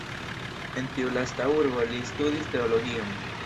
En tiu lasta urbo li studis teologion.